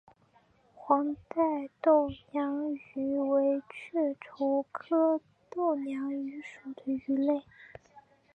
黄带豆娘鱼为雀鲷科豆娘鱼属的鱼类。